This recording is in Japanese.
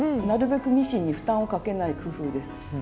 なるべくミシンに負担をかけない工夫です。